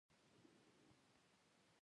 دغو بنسټونو څو مهم عناصر لرل.